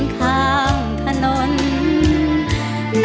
หัวใจเหมือนไฟร้อน